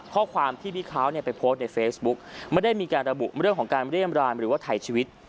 ข้อความที่พี่เขาเนี่ยไปโพสต์ในเฟซบุ๊กไม่ได้มีการระบุเรื่องของการเรียมรายหรือว่าถ่ายชีวิต